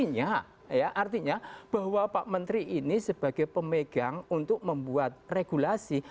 artinya ya artinya bahwa pak menteri ini sebagai pemegang untuk membuat regulasi